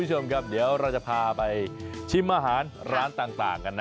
ช่วงนี้เดี๋ยวเราจะพาไปชิมอาหารร้านต่างกันนะ